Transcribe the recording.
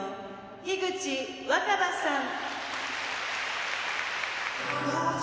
樋口新葉さん